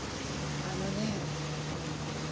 あのね